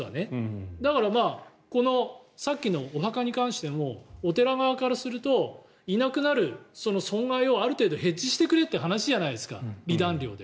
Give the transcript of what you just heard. だから、さっきのお墓に関してもお寺側からするといなくなるその損害をある程度ヘッジしてくれって話じゃないですか、離檀料で。